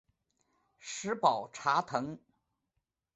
石宝茶藤